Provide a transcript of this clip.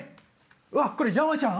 わっこれ山ちゃん？